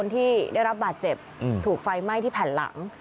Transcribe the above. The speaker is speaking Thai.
ที่ได้รับบาดเจ็บถูกไฟไหม้ที่แผ่นหลัง